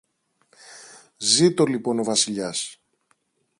Ζήτω λοιπόν ο Βασιλιάς!